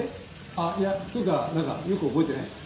あっいやというかなんかよく覚えてないです。